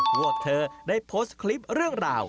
พวกเธอได้โพสต์คลิปเรื่องราว